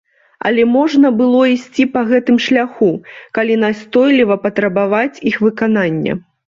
Але можна было ісці па гэтым шляху, калі настойліва патрабаваць іх выканання.